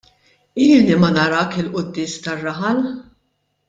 Ilni ma narak il-quddies tar-raħal.